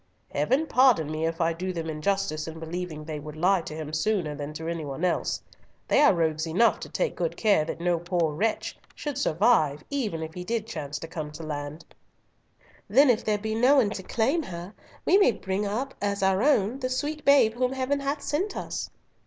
Heaven pardon me if I do them injustice in believing they would lie to him sooner than to any one else. They are rogues enough to take good care that no poor wretch should survive even if he did chance to come to land." "Then if there be no one to claim her, we may bring up as our own the sweet babe whom Heaven hath sent us."